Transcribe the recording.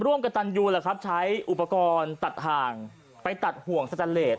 ร่วมกับตันยูแหละครับใช้อุปกรณ์ตัดห่างไปตัดห่วงสแตนเลส